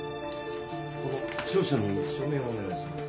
この調書に署名をお願いします。